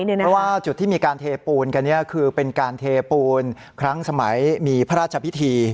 เพราะว่าจุดที่มีการเทปูนกันคือเป็นการเทปูนครั้งสมัยมีพระราชพิธี